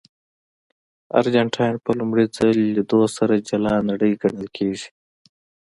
ارجنټاین په لومړي ځل لیدو سره جلا نړۍ ګڼل کېږي.